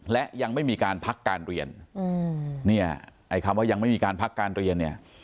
และยังไม่มีการพักการเรียนอืมเนี่ยไอ้คำว่ายังไม่มีการพักการเรียนเนี่ย